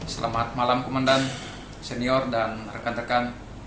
selamat malam komandan senior dan rekan rekan